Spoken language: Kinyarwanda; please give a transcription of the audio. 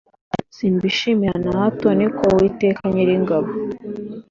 simbishimira na hato ni ko uwiteka nyiringabo